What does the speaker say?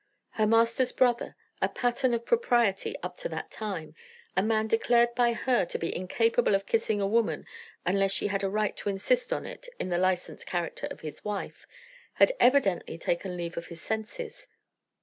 Her master's brother, a pattern of propriety up to that time, a man declared by her to be incapable of kissing a woman unless she had a right to insist on it in the licensed character of his wife, had evidently taken leave of his senses.